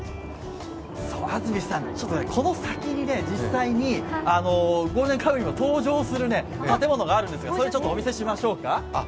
安住さん、この先に実際に「ゴールデンカムイ」も登場する建物があるんですが、それをちょっとお見せしましょう。